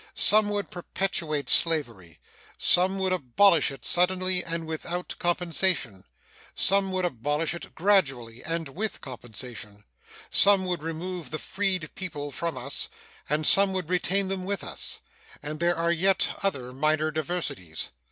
Some would perpetuate slavery; some would abolish it suddenly and without compensation; some would abolish it gradually and with compensation: some would remove the freed people from us, and some would retain them with us; and there are yet other minor diversities.